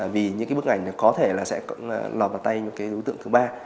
vì những cái bức ảnh có thể là sẽ lọt vào tay những cái đối tượng thứ ba